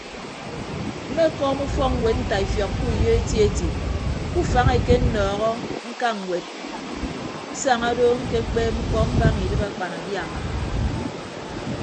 Mmekọọm ufọkñwed ntaifiọk ke uyo eti eti ke ufañ ekenọọhọ ñka ñwed nsaña ndo ñkekpeeb mkpọ mbaña idịb akpanadiama.